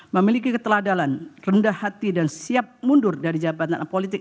memiliki keteladalan rendah hati dan siap mundur dari jabatan politik